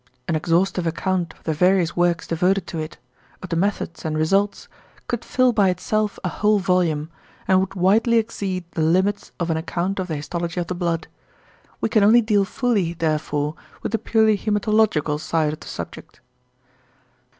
An exhaustive account of the various works devoted to it, of the methods and results, could fill by itself a whole volume, and would widely exceed the limits of an account of the histology of the blood. We can only deal fully therefore with the purely hæmatological side of the subject.